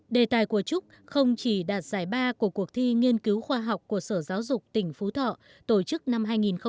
đề tài của trúc không chỉ đạt giải ba của cuộc thi nghiên cứu khoa học của sở giáo dục tỉnh phú thọ tổ chức năm hai nghìn một mươi tám